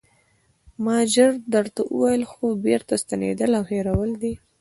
ما ژر درته وویل: هو بېرته ستنېدل او هېرول دي.